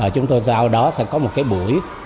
chúng tôi sau đó sẽ có một cái buổi